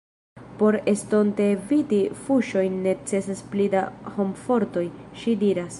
Por estonte eviti fuŝojn necesas pli da homfortoj, ŝi diras.